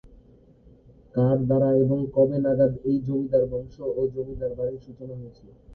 কার দ্বারা এবং কবে নাগাদ এই জমিদার বংশ ও জমিদার বাড়ির সূচনা হয়েছে।